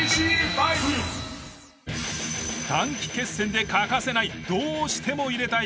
短期決戦で欠かせないどうしても入れたい